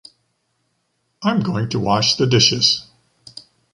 I’m going to wash the dishes.